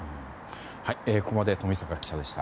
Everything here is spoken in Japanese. ここまで冨坂記者でした。